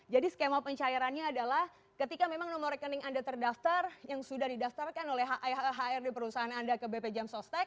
jadi skema pencairannya adalah ketika memang nomor rekening anda terdaftar yang sudah didaftarkan oleh hr di perusahaan anda ke bpjm